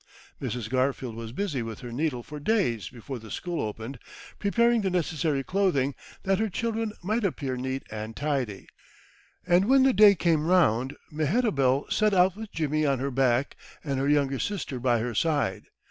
Mrs. Garfield was busy with her needle for days before the school opened, preparing the necessary clothing, that her children might appear neat and tidy. And when the day came round, Mehetabel set out with Jimmy on her back, and her younger sister by her side.